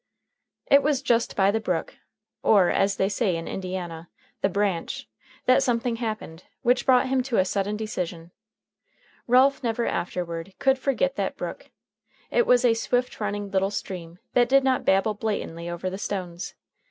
It was just by the brook, or, as they say in Indiana, the "branch," that something happened which brought him to a sudden decision. Ralph never afterward could forget that brook. It was a swift running little stream, that did not babble blatantly over the stones.